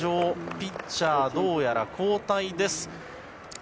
ピッチャーどうやら交代です。